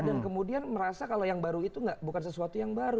dan kemudian merasa kalau yang baru itu bukan sesuatu yang baru